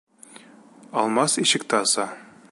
Алмас ишекте аса.